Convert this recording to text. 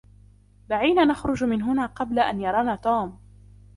دعينا نخرج من هنا قبل أن يرانا توم.